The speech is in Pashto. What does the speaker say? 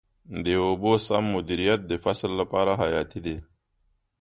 د اوبو سم مدیریت د فصل لپاره حیاتي دی.